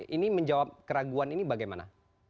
ini menjawab keraguan ini bagaimana